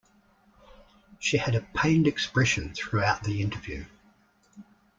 She had a pained expression throughout the interview.